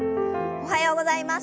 おはようございます。